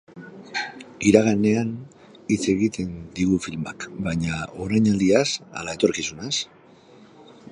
Iraganean hitz egiten digu filmak, baina orainaldiaz ala etorkizunaz?